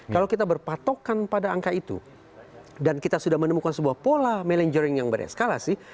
kalau kita berpatokan pada angka itu dan kita sudah menemukan sebuah pola manajering yang bereskalasi